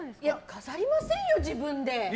飾りませんよ、自分で。